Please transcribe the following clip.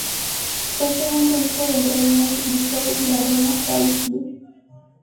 Fue el segundo hijo del rey Wen de Zhou y la reina Tai Si.